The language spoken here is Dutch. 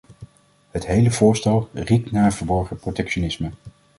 Het hele voorstel riekt naar verborgen protectionisme.